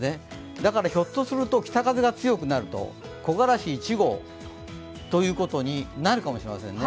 だからひょっとすると北風が強くなると木枯らし１号ということになるかもしれませんね。